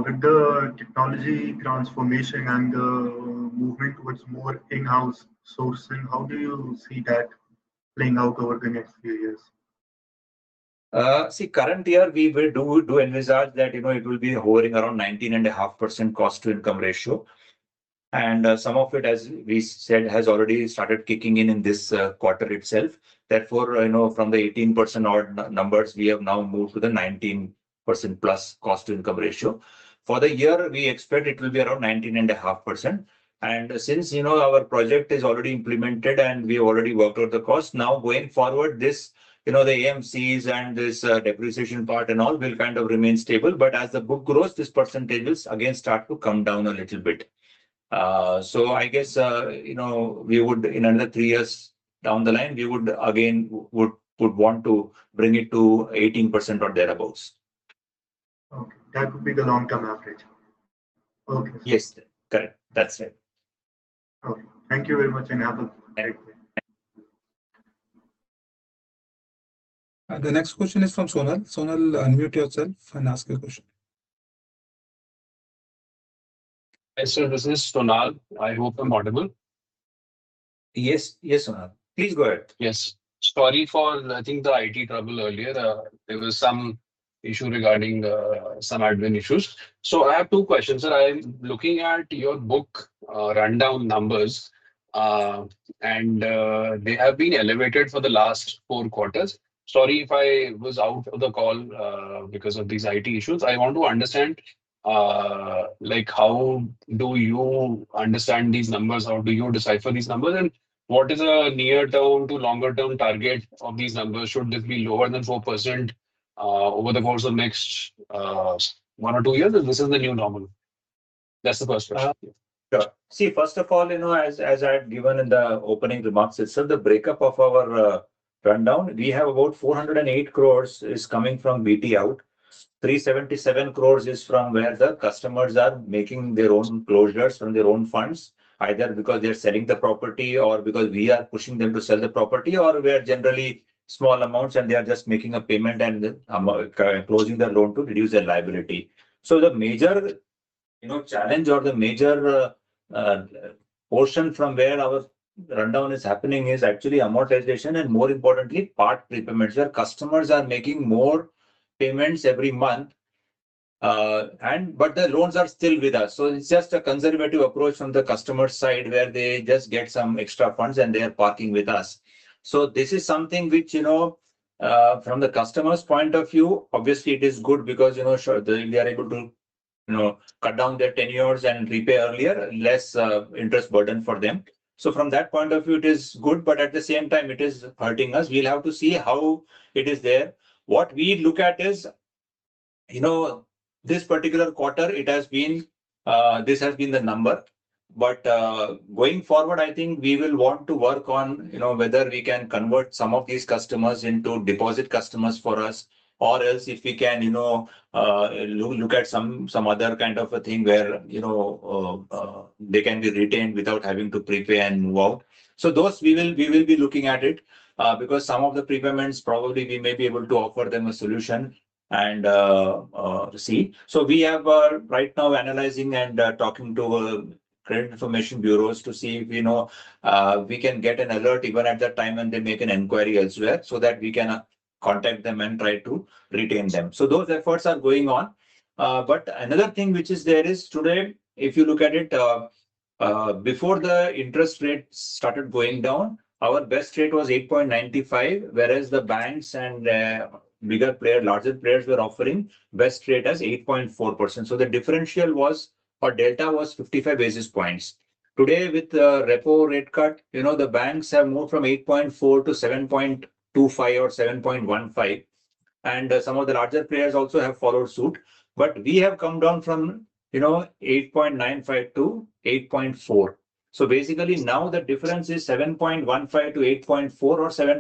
With the technology transformation and the movement towards more in-house sourcing, how do you see that playing out over the next few years? Current year, we will envisage that it will be hovering around 19.5% cost-to-income ratio. Some of it, as we said, has already started kicking in in this quarter itself. Therefore, from the 18%-odd numbers, we have now moved to the +19% cost-to-income ratio. For the year, we expect it will be around 19.5%. Since our project is already implemented and we've already worked out the cost, now going forward, the AMCs and this depreciation part and all will kind of remain stable. As the book grows, these percentages, again, start to come down a little bit. I guess, in another three years down the line, we would again want to bring it to 18% or thereabouts. Okay. That would be the long-term average. Okay. Yes. Correct. That's right. Okay. Thank you very much, and have a great day. The next question is from [Sonal]. Sonal, unmute yourself and ask your question. Hi, sir, this is Sonal. I hope I'm audible. Yes, Sonal. Please go ahead. Yes. Sorry for, I think, the IT trouble earlier. There was some issue regarding some admin issues. I have two questions. I'm looking at your book rundown numbers, and they have been elevated for the last four quarters. Sorry if I was out of the call because of these IT issues. I want to understand, how do you understand these numbers? How do you decipher these numbers? What is a near-term to longer-term target of these numbers? Should this be lower than 4% over the course of next one or two years, or this is the new normal? That's the first question. Sure. See, first of all, as I had given in the opening remarks itself, the breakup of our rundown, we have about 408 crores is coming from BT Outs, 377 crores is from where the customers are making their own closures from their own funds, either because they're selling the property or because we are pushing them to sell the property, or where generally small amounts and they are just making a payment and closing the loan to reduce their liability. The major challenge or the major portion from where our rundown is happening is actually amortization and, more importantly, part prepayments, where customers are making more payments every month, but the loans are still with us. It's just a conservative approach from the customer side, where they just get some extra funds and they are parking with us. This is something which, from the customer's point of view, obviously, it is good because they are able to cut down their tenures and repay earlier, less interest burden for them. From that point of view, it is good, but at the same time, it is hurting us. We'll have to see how it is there. What we look at is, this particular quarter, this has been the number. Going forward, I think we will want to work on whether we can convert some of these customers into deposit customers for us, or else if we can look at some other kind of a thing where they can be retained without having to prepay and move out. Those, we will be looking at it, because some of the prepayments, probably we may be able to offer them a solution and see. We are, right now, analyzing and talking to credit information bureaus to see if we can get an alert even at that time when they make an inquiry elsewhere, so that we can contact them and try to retain them. Those efforts are going on. Another thing which is there is, today, if you look at it, before the interest rates started going down, our best rate was 8.95%, whereas the banks and bigger players, larger players were offering best rate as 8.4%. The differential was, or delta was 55 basis points. Today, with the repo rate cut, the banks have moved from 8.4% to 7.25% or 7.15%, and some of the larger players also have followed suit. We have come down from 8.95% to 8.4%. Basically, now the difference is 7.15%-8.4%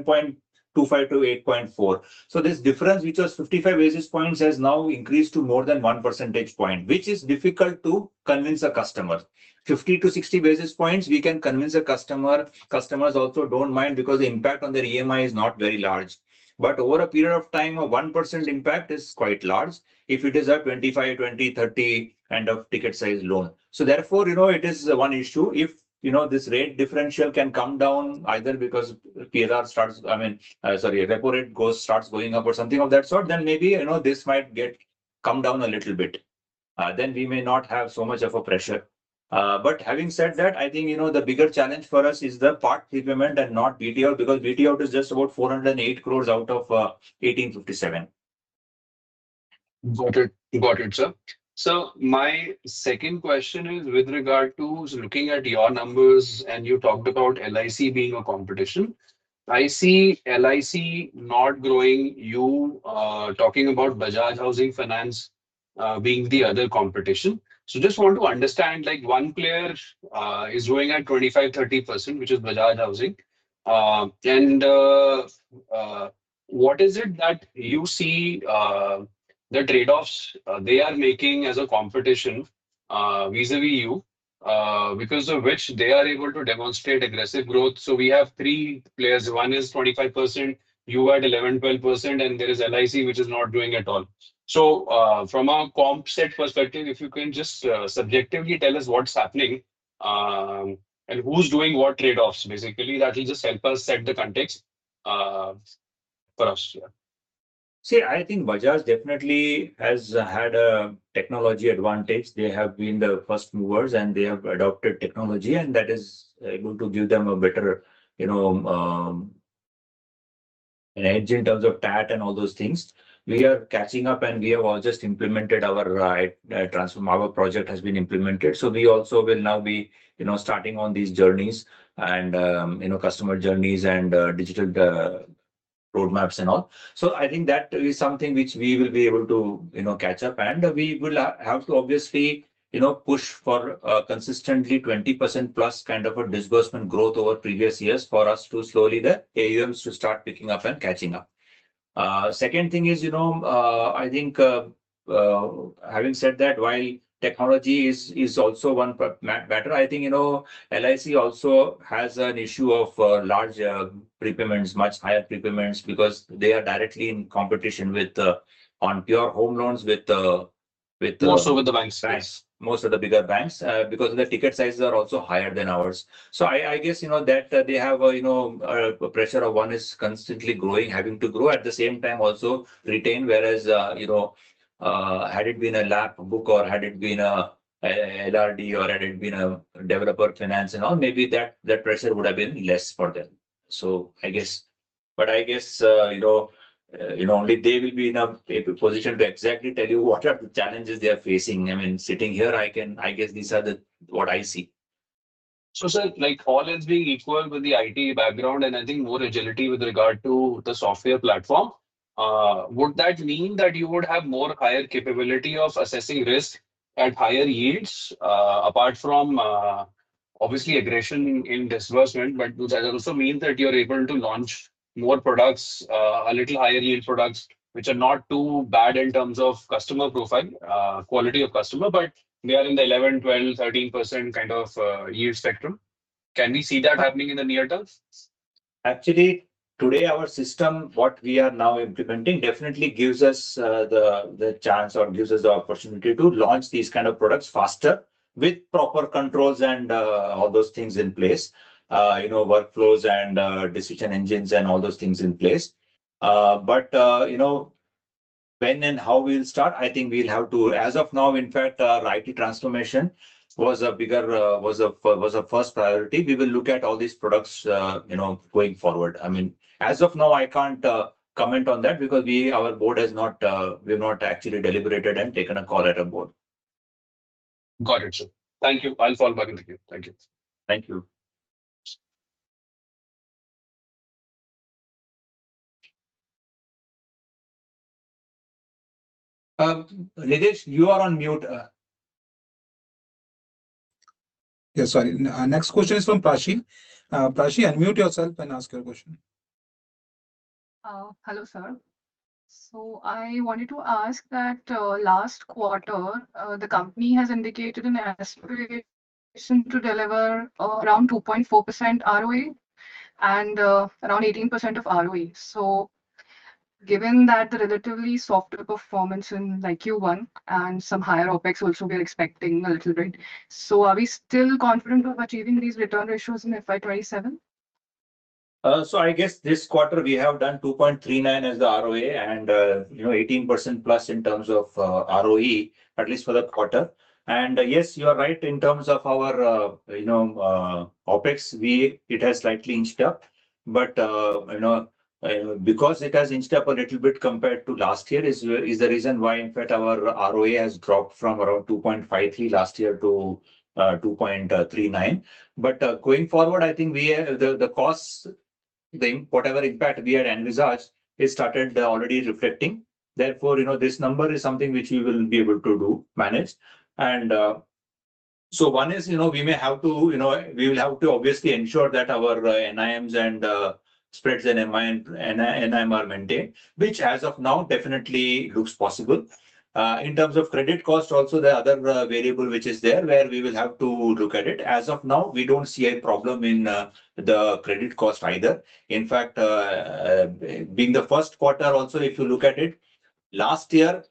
or 7.25%-8.4%. This difference, which was 55 basis points, has now increased to more than one percentage point, which is difficult to convince a customer. 50-60 basis points, we can convince a customer. Customers also don't mind because the impact on their EMI is not very large. But over a period of time, a 1% impact is quite large if it is a 25, 20, 30, kind of ticket size loan. Therefore, it is one issue. If this repo rate differential can come down, either because repo rate starts going up or something of that sort, then maybe this might come down a little bit, then we may not have so much of a pressure. But having said that, the bigger challenge for us is the part prepayment and not BT Outs, because BT Outs is just about 408 crores out of 1,857 crores. Got it, sir. My second question is with regard to looking at your numbers, and you talked about LIC being a competition. I see LIC not growing, you talking about Bajaj Housing Finance being the other competition. Just want to understand, one player is growing at 25%, 30%, which is Bajaj Housing. And what is it that you see the trade-offs they are making as a competition vis-à-vis you, because of which they are able to demonstrate aggressive growth? We have three players. One is 25%, you at 11%, 12%, and there is LIC, which is not growing at all. From a comp set perspective, if you can just subjectively tell us what's happening, and who's doing what trade-offs, basically, that will just help us set the context for us. Yeah. Bajaj definitely has had a technology advantage. They have been the first movers, and they have adopted technology, and that is able to give them a better edge in terms of TAT and all those things. We are catching up, and our transform project has been implemented. We also will now be starting on these journeys and customer journeys and digital roadmaps and all. That is something which we will be able to catch up, and we will have to, obviously, push for a consistently +20% disbursement growth over previous years for us to, slowly, the AUMs to start picking up and catching up. Second thing is, having said that, while technology is also one part, LIC also has an issue of larger prepayments, much higher prepayments, because they are directly in competition on pure home loans with- with the banks. most of the bigger banks, because their ticket sizes are also higher than ours. I guess that they have a pressure of one is constantly growing, having to grow, at the same time also retain. Whereas, had it been a LAP book or had it been a LRD or had it been a developer finance and all, maybe that pressure would have been less for them. I guess, only they will be in a position to exactly tell you what are the challenges they are facing. Sitting here, I guess these are what I see. Sir, all else being equal with the IT background and I think more agility with regard to the software platform, would that mean that you would have more higher capability of assessing risk at higher yields, apart from, obviously, aggression in disbursement? Does that also mean that you're able to launch more products, a little higher yield products, which are not too bad in terms of customer profile, quality of customer, but they are in the 11%, 12%, 13% yield spectrum. Can we see that happening in the near term? Actually, today our system, what we are now implementing definitely gives us the chance or gives us the opportunity to launch these kind of products faster with proper controls and all those things in place. Workflows and decision engines and all those things in place. When and how we'll start, I think we'll have to, as of now, in fact, our IT transformation was a first priority. We will look at all these products going forward. As of now, I can't comment on that because our board has not, we've not actually deliberated and taken a call at our Board. Got it, sir. Thank you. I'll follow back with you. Thank you. Thank you. Nidhesh, you are on mute. Yeah, sorry. Next question is from [Prachi]. Prachi, unmute yourself and ask your question. Hello, sir. I wanted to ask that last quarter, the company has indicated an aspiration to deliver around 2.4% ROA and around 18% of ROE. Given that the relatively softer performance in Q1 and some higher OpEx also we're expecting a little bit, are we still confident of achieving these return ratios in FY 2027? I guess this quarter we have done 2.39% as the ROA and +18% in terms of ROE, at least for that quarter. Yes, you are right in terms of our OpEx, it has slightly inched up. Because it has inched up a little bit compared to last year is the reason why, in fact, our ROA has dropped from around 2.53% last year to 2.39%. Going forward, I think the costs, whatever impact we had envisaged, it started already reflecting. Therefore, this number is something which we will be able to do manage. One is, we will have to obviously ensure that our NIMs and spreads and NIM are maintained, which as of now definitely looks possible. In terms of credit cost also, the other variable which is there where we will have to look at it. As of now, we don't see a problem in the credit cost either. In fact, being the first quarter also, if you look at it, last year,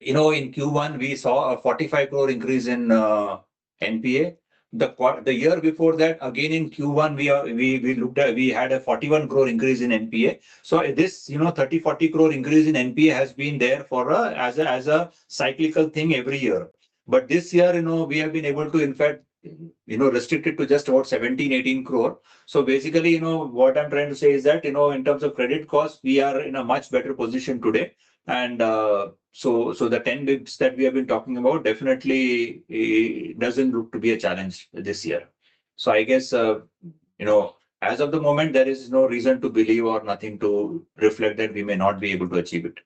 in Q1, we saw an 45 crores increase in NPA. The year before that, again, in Q1, we had an 41 crores increase in NPA. This INR 30 crores, 41 crores increase in NPA has been there as a cyclical thing every year. This year, we have been able to, in fact, restrict it to just about 17 crores, 18 crores. Basically, what I'm trying to say is that, in terms of credit costs, we are in a much better position today. The 10 basis points that we have been talking about definitely doesn't look to be a challenge this year. I guess, as of the moment, there is no reason to believe or nothing to reflect that we may not be able to achieve it.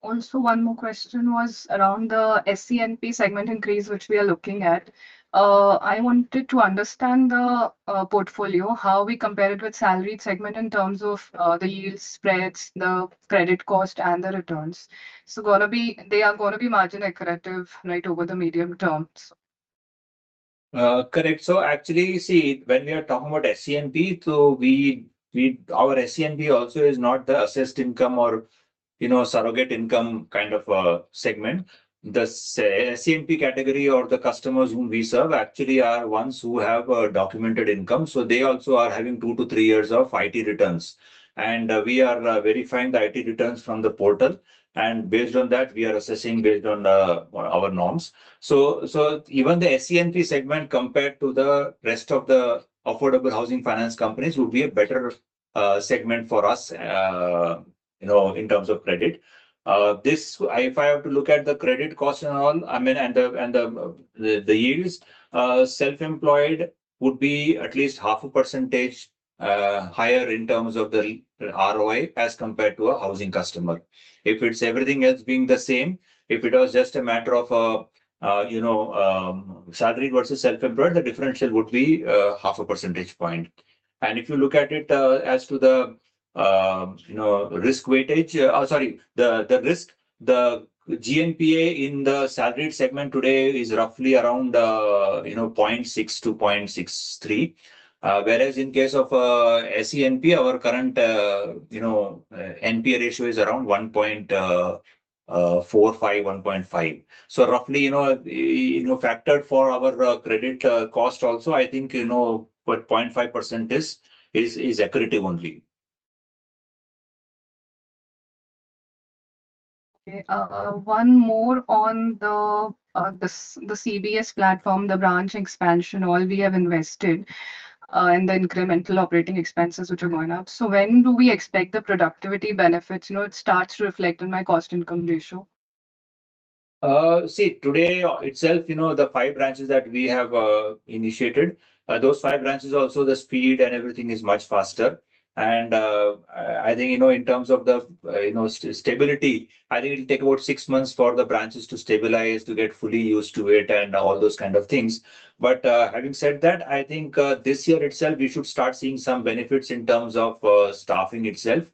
One more question was around the SENP segment increase, which we are looking at. I wanted to understand the portfolio, how we compare it with salaried segment in terms of the yield spreads, the credit cost, and the returns? They are going to be margin accretive right, over the medium term? Correct. Actually, you see, when we are talking about SENP, our SENP also is not the assessed income or surrogate income kind of a segment. The SENP category or the customers whom we serve actually are ones who have a documented income. They also are having two to three years of IT returns. We are verifying the IT returns from the portal. Based on that, we are assessing based on our norms. Even the SENP segment, compared to the rest of the affordable housing finance companies, would be a better segment for us in terms of credit. If I have to look at the credit cost and all, and the yields, self-employed would be at least half a percentage higher in terms of the ROI as compared to a housing customer. If it's everything else being the same, if it was just a matter of salaried versus self-employed, the differential would be half a percentage point. If you look at it as to the risk weightage, sorry, the risk, the GNPA in the salaried segment today is roughly around 0.6%-0.63%. Whereas in case of SENP, our current NPA ratio is around 1.45%, 1.5%. Roughly, factored for our credit cost also, I think, 0.5% is accretive only. Okay. One more on the CBS platform, the branch expansion, all we have invested, and the incremental operating expenses, which are going up. When do we expect the productivity benefits? It starts reflecting my cost income ratio. Today itself, the five branches that we have initiated, those five branches also, the speed and everything is much faster. I think, in terms of the stability, it'll take about six months for the branches to stabilize, to get fully used to it and all those kind of things. Having said that, I think this year itself, we should start seeing some benefits in terms of staffing itself.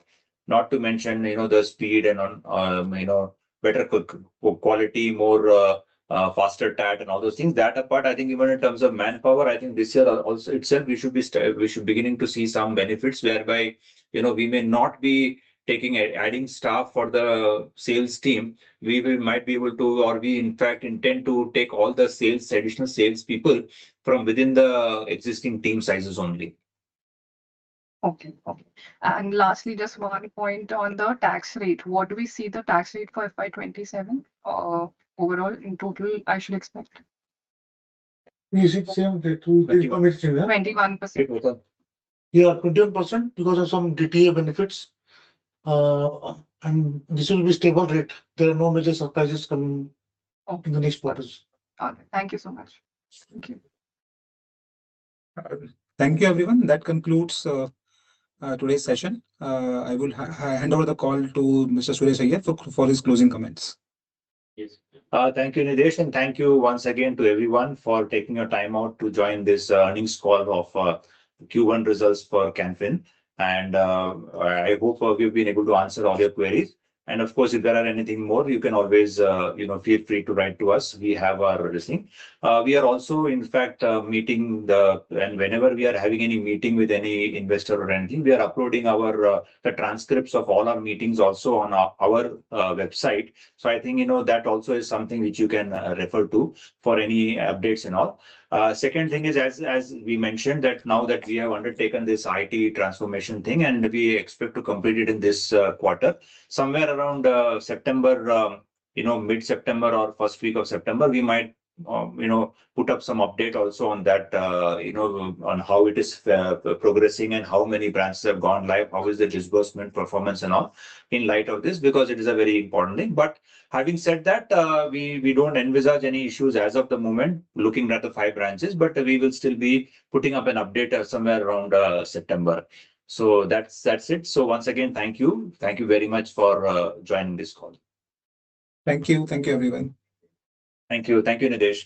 Not to mention the speed and on better quality, more faster TAT and all those things. That apart, I think even in terms of manpower, I think this year also itself, we should beginning to see some benefits whereby, we may not be adding staff for the sales team. We in fact intend to take all the additional salespeople from within the existing team sizes only. Lastly, just one point on the tax rate. What do we see the tax rate for FY 2027 overall in total, I should expect? Is it same that you mentioned? 21%. Yeah, 21% because of some DTA benefits. This will be stable rate. There are no major surprises coming. Okay. In the next quarters. All right. Thank you so much. Thank you. Thank you, everyone. That concludes today's session. I will hand over the call to Mr. Suresh Iyer for his closing comments. Yes. Thank you, Nidhesh, and thank you once again to everyone for taking your time out to join this earnings call of Q1 results for Can Fin. I hope we've been able to answer all your queries. Of course, if there are anything more, you can always feel free to write to us. We have our listening. We are also, in fact, whenever we are having any meeting with any investor or anything, we are uploading the transcripts of all our meetings also on our website. I think, that also is something which you can refer to for any updates and all. Second thing is, as we mentioned, that now that we have undertaken this IT transformation thing, we expect to complete it in this quarter, somewhere around mid-September or first week of September, we might put up some update also on how it is progressing and how many branches have gone live, how is the disbursement performance and all, in light of this, because it is a very important thing. Having said that, we don't envisage any issues as of the moment looking at the five branches, but we will still be putting up an update somewhere around September. That's it. Once again, thank you. Thank you very much for joining this call. Thank you. Thank you, everyone. Thank you. Thank you, Nidhesh.